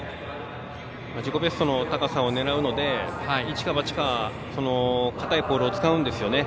自己ベストの高さを狙うので、一か八か硬いポールを使うんですよね。